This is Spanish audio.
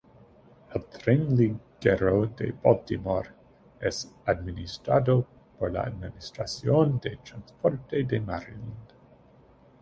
El Tren Ligero de Baltimore es administrado por la Administración de Transporte de Maryland.